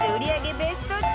ベスト１０